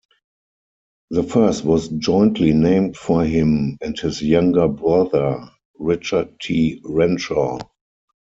The first was jointly named for him and his younger brother, Richard T. Renshaw.